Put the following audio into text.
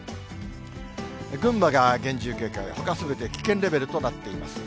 群馬が厳重警戒、ほか、すべて危険レベルとなっています。